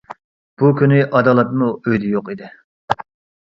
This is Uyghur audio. بۇ كۈنى ئادالەتمۇ ئۆيدە يوق ئىدى.